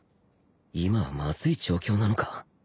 今はまずい状況なのか？